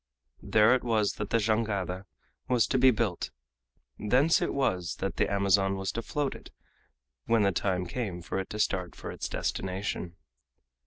There it was that the jangada was to be built; thence it was that the Amazon was to float it when the time came for it to start for its destination.